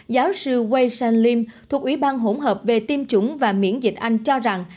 giáo sư wei shan lim thuộc ủy ban hỗn hợp về tiêm chủng và miễn dịch anh cho rằng